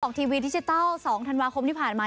ทีวีดิจิทัล๒ธันวาคมที่ผ่านมา